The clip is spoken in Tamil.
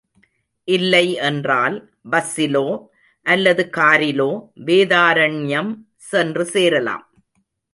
இல்லை என்றால் பஸ்ஸிலோ அல்லது காரிலோ வேதாரண்யம் சென்று சேரலாம்.